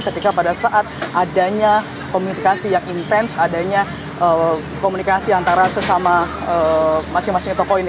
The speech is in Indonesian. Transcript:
ketika pada saat adanya komunikasi yang intens adanya komunikasi antara sesama masing masing tokoh ini